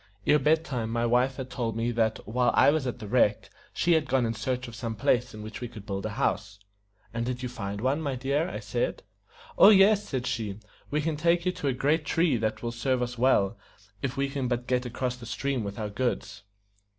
Ere bed time my wife had told me that while I was at the wreck she had gone in search of some place in which we could build a house. "And did you find one, my dear?" I said. "Oh, yes," said she. "We can take you to a great tree that will serve us well, if we can but get across the stream with our goods."